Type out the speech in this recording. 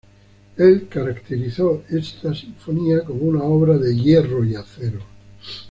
Él caracterizó esta sinfonía como una obra de "hierro y acero".